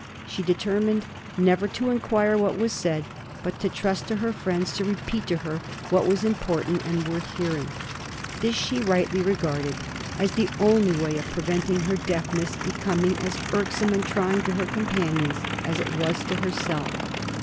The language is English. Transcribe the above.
She determined never to inquire what was said, but to trust to her friends to repeat to her what was important and worth hearing. This she rightly regarded as the only way of preventing her deafness becoming as irksome and trying to her companions as it was to herself.